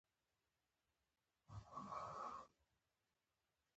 بادام د افغانستان د ښاري پراختیا یو لوی سبب کېږي.